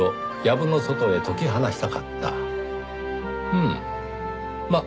うんまあ